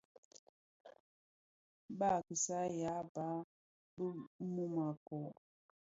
Baa (kisyea) yàa ban bì mum a kɔɔ.